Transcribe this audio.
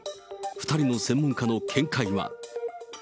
２人の専門家の見解は。